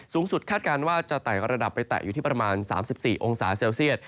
สูงสุดคาดการณ์ว่ามันจะแตกรดับไปตะอยู่ที่ประมาณ๓๔องศาเซลเซียด